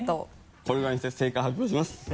これぐらいにして正解発表します。